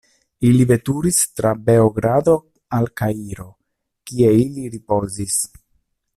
Ili veturis tra Beogrado al Kairo, kie ili ripozis.